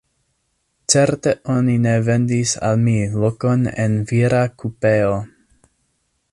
Certe oni ne vendis al mi lokon en vira kupeo.